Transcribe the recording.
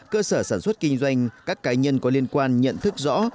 cơ sở sản xuất kinh doanh các cá nhân có liên quan nhận thức rõ